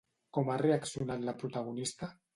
Com ha reaccionat la protagonista?